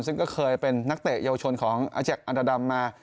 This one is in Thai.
ซึ่งก็เคยเป็นนักเตะเยาวชนของอาเจอันดาดำมา